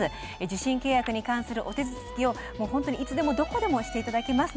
受信契約に関するお手続きをいつでもどこでもしていただけます。